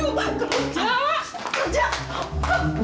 kamu merayu pak